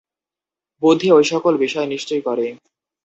বুদ্ধি ঐ-সকল বিষয় নিশ্চয় করে।